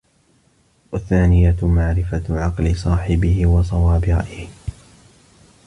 وَالثَّانِيَةُ مَعْرِفَةُ عَقْلِ صَاحِبِهِ وَصَوَابِ رَأْيِهِ